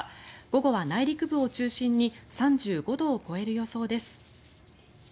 午後は内陸部を中心に３５度を超える予想です。